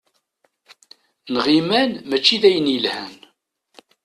Nɣiman mačči d ayen yelhan.